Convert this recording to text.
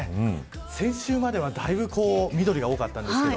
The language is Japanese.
先週までは、だいぶ緑が多かったんですが。